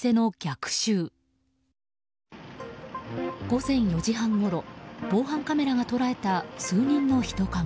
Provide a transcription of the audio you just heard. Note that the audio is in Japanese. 午前４時半ごろ防犯カメラが捉えた数人の人影。